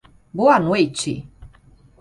Boa noite!